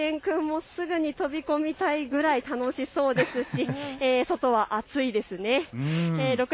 私としゅと犬くんもすぐに飛び込みたいくらい楽しそうですし外は暑いですね。